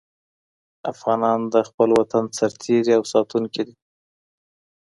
افغانان د خپل وطن سرتيري او ساتونکي دي.